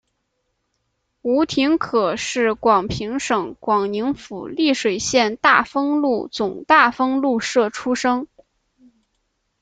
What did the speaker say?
吴廷可是广平省广宁府丽水县大丰禄总大丰禄社出生。